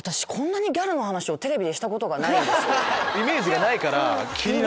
イメージがないから気になる。